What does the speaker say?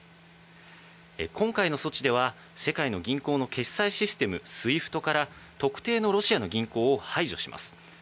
今回の措置では世界の銀行の決済システムＳＷＩＦＴから特定のロシアの銀行を排除します。